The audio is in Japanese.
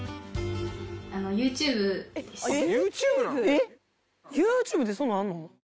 ＹｏｕＴｕｂｅでそんなんあるの？